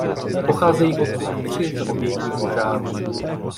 Pocházejí odtud tři z obětí požárů.